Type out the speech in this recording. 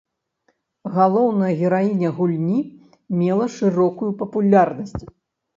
Галоўная гераіня гульні мела шырокую папулярнасць.